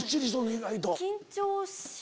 意外と。